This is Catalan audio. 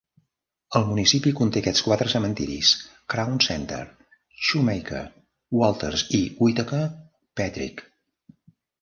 El municipi conté aquests quatre cementeris: Crown Center, Shumaker, Walters i Whitaker-Patrick.